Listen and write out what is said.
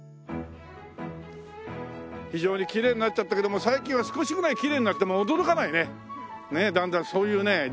非常にきれいになっちゃったけども最近は少しぐらいきれいになっても驚かないね。